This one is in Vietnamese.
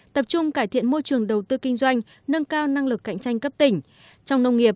tập trung cải thiện môi trường đầu tư kinh doanh nâng cao năng lực cạnh tranh cấp tỉnh